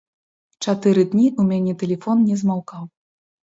Чатыры дні ў мяне тэлефон не змаўкаў.